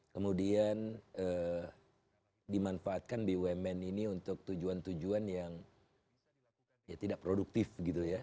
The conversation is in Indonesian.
kemudian dimanfaatkan bumn ini untuk tujuan tujuan yang tidak produktif gitu ya